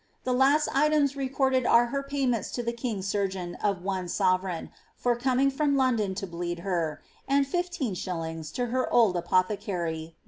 The last items recorded are her payments to the king*s surgeon of one sovereign, for coming from London to bleed hf.% and 155. to her old apothecary.